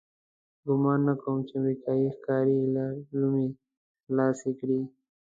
ګمان نه کوم چې امریکایي ښکاري یې لومې خلاصې کړي.